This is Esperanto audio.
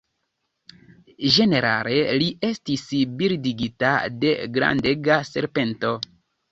Ĝenerale li estis bildigita de grandega serpento.